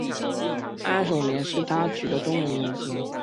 安守廉是他取的中文名字。